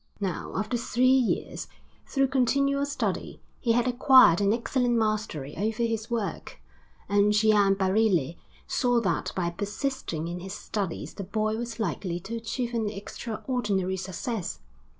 Now after three years, through continual study, he had acquired an excellent mastery over his work, and Gian Barile saw that by persisting in his studies the boy was likely to achieve an extraordinary success.